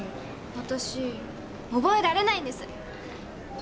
私覚えられないんです。